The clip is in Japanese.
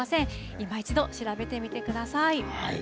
いま一度調べてみてください。